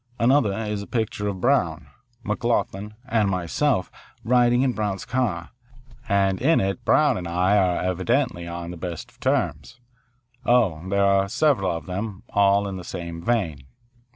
Another is a picture of Brown, McLoughlin, and myself riding in Brown's car, and in it Brown and I are evidently on the best of terms. Oh, there are several of them, all in the same vein.